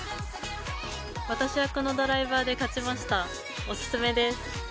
私は、このドライバーで勝ちました、お勧めです。